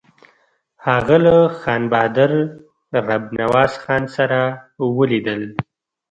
هغه له خان بهادر رب نواز خان سره ولیدل.